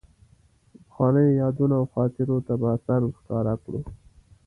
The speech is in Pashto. پخوانیو یادونو او خاطرو ته به سر ورښکاره کاوه.